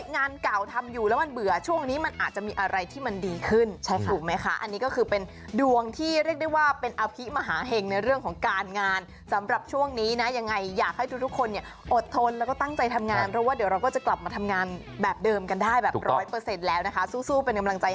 งานเก่าทำอยู่แล้วมันเบื่อช่วงนี้มันอาจจะมีอะไรที่มันดีขึ้นถูกไหมคะอันนี้ก็คือเป็นดวงที่เรียกได้ว่าเป็นอภิมหาเห็งในเรื่องของการงานสำหรับช่วงนี้นะยังไงอยากให้ทุกคนเนี่ยอดทนแล้วก็ตั้งใจทำงานเพราะว่าเดี๋ยวเราก็จะกลับมาทำงานแบบเดิมกันได้แบบร้อยเปอร์เซ็นต์แล้วนะคะสู้เป็นกำลังใจ